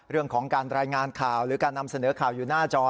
เรื่องของการรายงานข่าวหรือการนำเสนอข่าวอยู่หน้าจอ